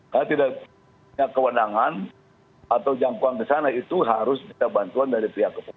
karena tidak punya kewenangan atau jangkauan ke sana itu harus kita bantuan dari pihak kebun